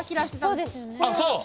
そうですよね。